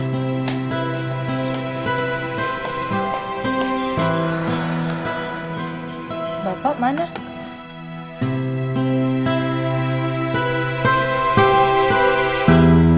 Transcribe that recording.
tidak ada yang bisa diberikan